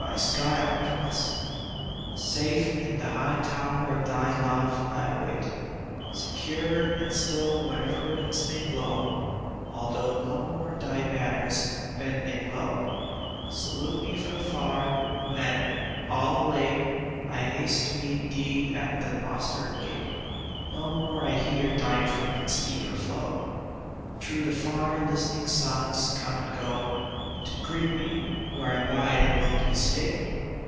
IN THE HIGH TOWER Safe in the high tower of thy love I wait, Secure and still whatever winds may blow, Although no more thy banners, bending low, Salute me from afar, when, all elate, I haste to meet thee at the postern gate. No more I hear thy trumpet's eager flow Through the far, listening silence come and go To greet me where I bide in lonely state.